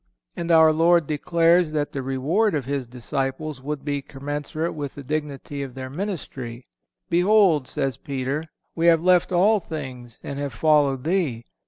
And our Lord declares that the reward of His disciples would be commensurate with the dignity of their ministry: "Behold," says Peter, "we have left all things and have followed Thee.